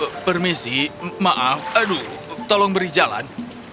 kalau permisi maaf aduh tolong beri jalan